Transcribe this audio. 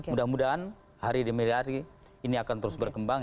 mudah mudahan hari demi hari ini akan terus berkembang